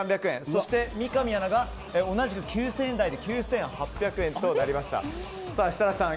そして三上アナが同じく９０００円台で９８００円となりました。